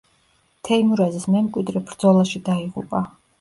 თეიმურაზის მემკვიდრე ბრძოლაში დაიღუპა.